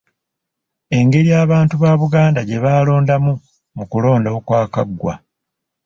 Engeri abantu ba Buganda gye baalondamu mu kulonda okwakagwa